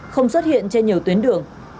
không xuất hiện trên nhiều tuyến đường